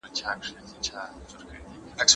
کله نا کله چې صبر وشي، لانجه به سخته نه شي.